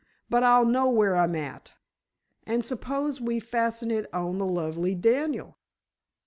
But, I'll know where I'm at." "And suppose we fasten it on the lovely Daniel?"